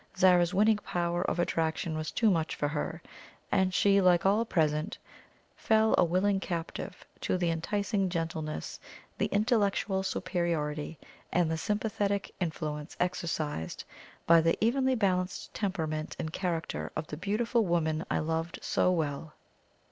Zara's winning power of attraction was too much for her, and she, like all present, fell a willing captive to the enticing gentleness, the intellectual superiority, and the sympathetic influence exercised by the evenly balanced temperament and character of the beautiful woman I loved so well.